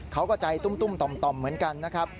เขาก็ใจตุ้มต่อมเหมือนกันนะครับ